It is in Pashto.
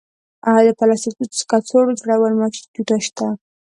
د پلاستیک کڅوړو جوړولو ماشینونه شته